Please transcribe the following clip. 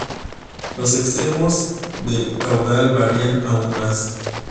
Los extremos del caudal varían aún más.